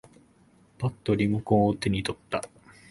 ぱっとリモコンを手に取った。